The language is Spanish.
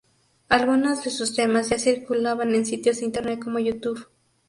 Algunos de sus temas ya circulaban en sitios de Internet como YouTube.